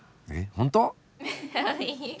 本当？